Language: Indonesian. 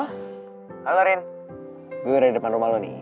halo rin gue udah di depan rumah lo nih